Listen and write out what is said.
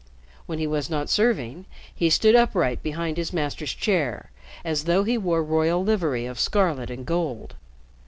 When he was not serving, he stood upright behind his master's chair, as though he wore royal livery of scarlet and gold.